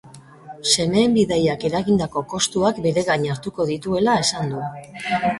Semeen bidaiak eragindako kostuak bere gain hartuko dituela esan du.